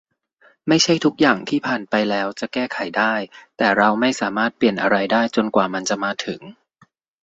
ไม่ใช่ทุกอย่างที่ผ่านไปแล้วจะแก้ไขได้ แต่เราไม่สามารถเปลี่ยนอะไรได้จนกว่ามันจะมาถึง